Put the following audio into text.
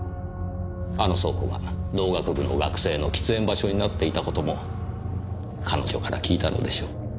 あの倉庫が農学部の学生の喫煙場所になっていたことも彼女から聞いたのでしょう。